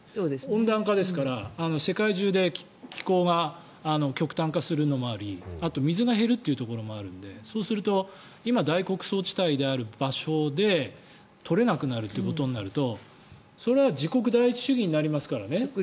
温暖化ですから、世界中で気候が極端化するのもありあと水が減るというところもあるのでそうすると今、大穀倉地帯である場所で取れなくなるということになるとそれは自国第一主義になりますからね。